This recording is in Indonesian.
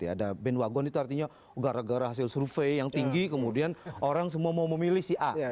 ada band wagon itu artinya gara gara hasil survei yang tinggi kemudian orang semua mau memilih si a